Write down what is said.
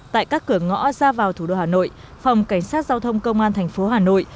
tại các cửa ngõ ra vào thủ đô hà nội phòng cảnh sát giao thông công an thành phố hà nội